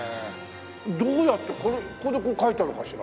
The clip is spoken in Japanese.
どうやってこれここで描いたのかしら？